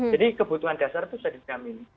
jadi kebutuhan dasar itu sudah dijamin